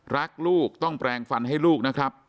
รักลูกต้องแปลงฟันให้ลูกนะครับ